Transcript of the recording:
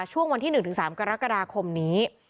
ช่วงวันที่๑๓กรกฎาคมนี้